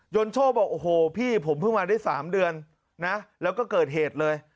โชคบอกโอ้โหพี่ผมเพิ่งมาได้๓เดือนนะแล้วก็เกิดเหตุเลย